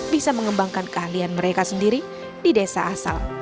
bisa mengembangkan keahlian mereka sendiri di desa asal